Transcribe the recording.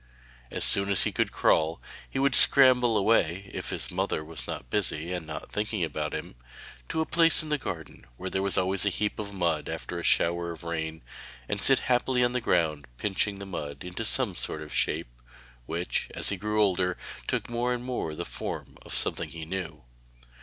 As soon as he could crawl, he would scramble away (if his mother was busy and not thinking about him) to a place in the garden where there was always a heap of mud after a shower of rain, and sit happily on the ground pinching the mud into some sort of shape, which as he grew older, took more and more the form of something he knew.